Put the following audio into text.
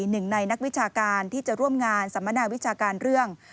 หนึ่งในนักวิชาการที่จะร่วมงานสัมมนาวิชาการเรื่อง